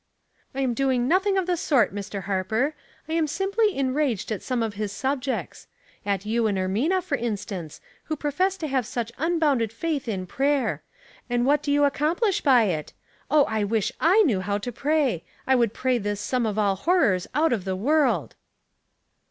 " I am doing nothing of the sort, Mr. Harper. I am simply enraged at some of his subjects. At you and Ermina, for instance, who profess to have such unbounded faith in prayer. And what do you accomplish by it ? Oh, I wisli I knew how to pray ! I would pray this sum of all horrors out of the world."